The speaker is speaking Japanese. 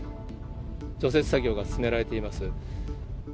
除雪作業が進められています。